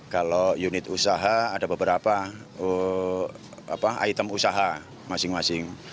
kalau unit usaha ada beberapa item usaha masing masing